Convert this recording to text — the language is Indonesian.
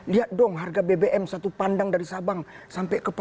lihat dong harga bbm satu pandang dari sabang sampai ke papua